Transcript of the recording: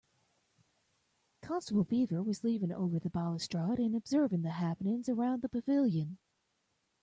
Constable Beaver was leaning over the balustrade and observing the happenings around the pavilion.